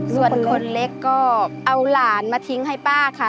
ส่วนคนเล็กก็เอาหลานมาทิ้งให้ป้าค่ะ